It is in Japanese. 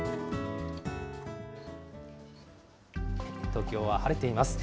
東京は晴れています。